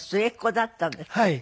はい。